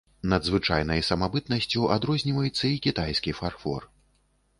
Надзвычайнай самабытнасцю адрозніваецца і кітайскі фарфор.